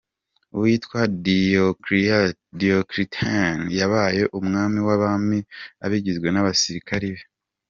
Uwitwa Diocletian yabaye umwami wabami abigizwe nabasirikare be.